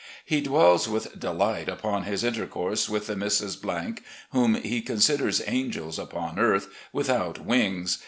He dwells with delight upon his intercourse with the Misses , whom he considers angels upon earth, without wings.